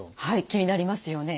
気になりますよね。